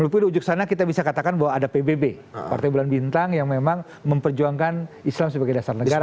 karena kita bisa katakan bahwa ada pbb partai bulan bintang yang memang memperjuangkan islam sebagai dasar negara